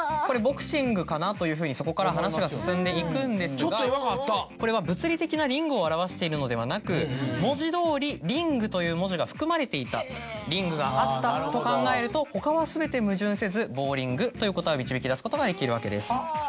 これボクシングかな？とそこから話が進んでいくんですがこれは物理的なリングを表しているのではなく文字どおりリングという文字が含まれていたリングがあったと考えると他は全て矛盾せずボウリングという答えを導き出すことができるわけです。